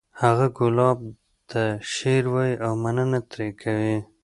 هغه ګلاب ته شعر وایی او مننه ترې کوي